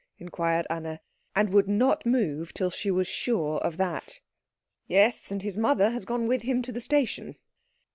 inquired Anna; and would not move till she was sure of that. "Yes, and his mother has gone with him to the station."